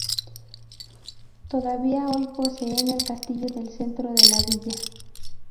Todavía hoy poseen el castillo del centro de la villa.